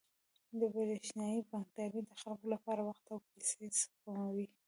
برېښنايي بانکداري د خلکو لپاره وخت او پیسې سپموي.